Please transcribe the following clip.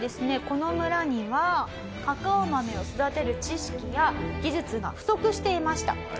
この村にはカカオ豆を育てる知識や技術が不足していました。